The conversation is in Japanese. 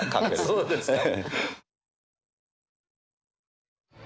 そうですね。